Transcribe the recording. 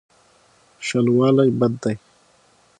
شلوالی بد دی.